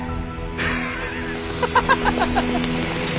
ハハハハ！